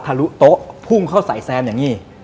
ลุโต๊ะพุ่งเข้าใส่แซมอย่างนี้